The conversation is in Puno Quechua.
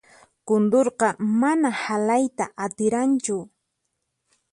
Kunturqa mana halayta atiranchu.